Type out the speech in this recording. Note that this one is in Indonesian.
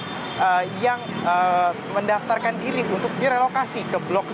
kiosk yang mendaftarkan diri untuk direlokasi ke blok lima